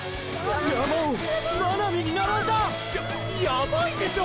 山王真波に並んだァ！！ややばいでしょ！！